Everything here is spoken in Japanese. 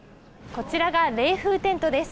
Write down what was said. こちらが冷風テントです。